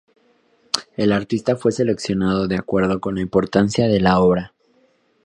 El artista fue seleccionado de acuerdo con la importancia de la obra.